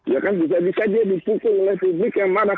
ya kan bisa bisa dipukul oleh publik yang marah